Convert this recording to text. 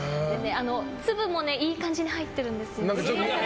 粒もいい感じに入ってるんですよ。